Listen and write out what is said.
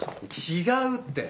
違うって。